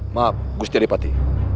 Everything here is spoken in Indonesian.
maaf gusti adipati